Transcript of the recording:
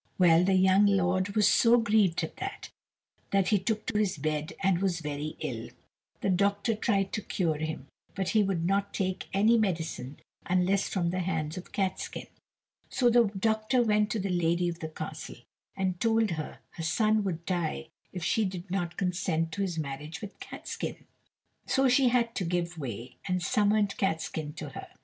Well, the young lord was so grieved at that, that he took to his bed and was very ill. The doctor tried to cure him, but he would not take any medicine unless from the hands of Catskin. So the doctor went to the lady of the castle, and told her her son would die if she did not consent to his marriage with Catskin. So she had to give way, and summoned Catskin to her.